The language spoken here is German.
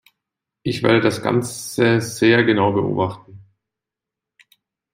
Ich werde das Ganze sehr genau beobachten.